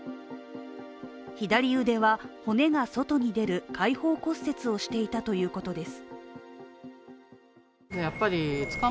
左腕は、骨が外に出る開放骨折をしていたということです。